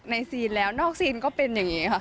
ซีนแล้วนอกซีนก็เป็นอย่างนี้ค่ะ